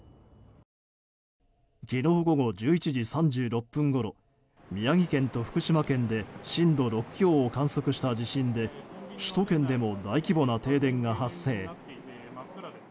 昨日午後１１時３６分ごろ宮城県と福島県で震度６強を観測した地震で首都圏でも大規模な停電が発生。